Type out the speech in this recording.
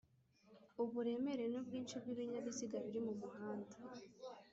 Uburemere n’ ubwinshi bw ibinyabiziga biri mu muhanda